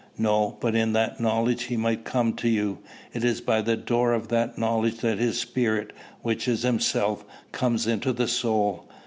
"No; but in that knowledge he might come to you. It is by the door of that knowledge that his Spirit, which is himself, comes into the soul.